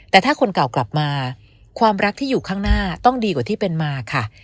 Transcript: แต่ถ้าคนเก่ากลับมาความรักที่อยู่ข้างหน้าต้องดีกว่าที่เป็นมาค่ะ